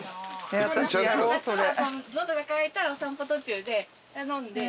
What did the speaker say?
夏は喉が渇いたらお散歩途中で飲んで。